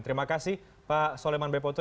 terima kasih pak soleman bepo tuh